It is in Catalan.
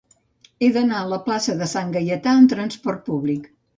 He d'anar a la plaça de Sant Gaietà amb trasport públic.